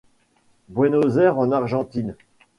Buenos Aires, en Argentine.